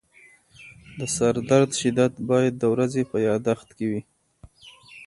د سردرد شدت باید د ورځې په یادښت کې وي.